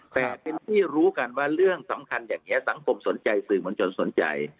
แต่เป็นที่รู้กันว่าเรื่องสำคัญอย่างนี้สังคมสนใจสื่อมวลชนสนใจ